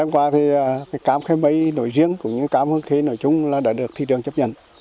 cam khe mây nổi riêng cũng như cam hương khê nổi chung đã được thị trường chấp nhận